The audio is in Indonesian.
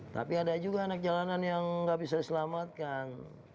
tapi ada juga anak jalanan yang nggak bisa diselamatkan